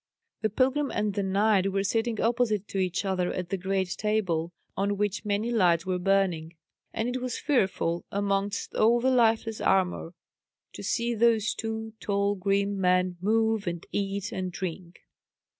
The pilgrim and the knight were sitting opposite to each other at the great table, on which many lights were burning; and it was fearful, amongst all the lifeless armour, to see those two tall grim men move, and eat, and drink.